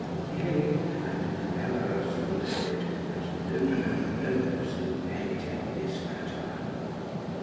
Yea, and Prellerus will have it that no man knows the verity of this matter.